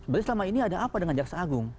berarti selama ini ada apa dengan jaksa agung